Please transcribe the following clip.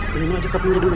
bingung saja ke pindah dulu